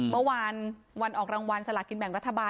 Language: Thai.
เมื่อวานวันออกรางวัลสลากินแบ่งรัฐบาล